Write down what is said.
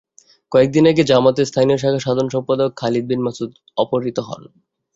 কয়েক দিন আগে জামায়াতের স্থানীয় শাখার সাধারণ সম্পাদক খালিদ বিন মাসুদ অপহূত হন।